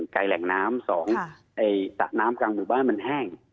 ๑กายแหล่งน้ำ๒ตะน้ำกลางหมู่บ้านมันแห้ง